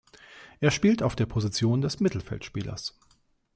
Er spielt auf der Position des Mittelfeldspielers.